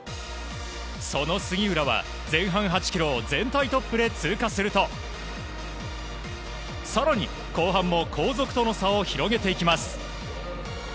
その杉浦は前半８ｋｍを全体トップで通過すると更に、後半も後続との差を広げていきます。